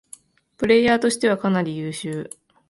プレイヤーとしてはかなり優秀